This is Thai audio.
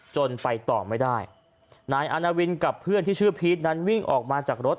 จนไปต่อไม่ได้นายอาณาวินกับเพื่อนที่ชื่อพีชนั้นวิ่งออกมาจากรถ